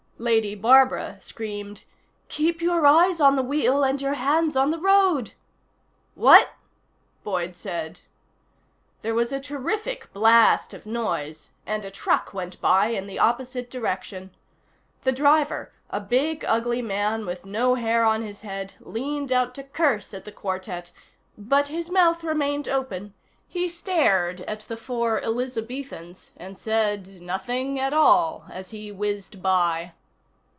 Lady Barbara screamed: "Keep your eyes on the wheel and your hands on the road!" "What?" Boyd said. There was a terrific blast of noise, and a truck went by in the opposite direction. The driver, a big, ugly man with no hair on his head, leaned out to curse at the quartet, but his mouth remained open. He stared at the four Elizabethans and said nothing at all as he whizzed by.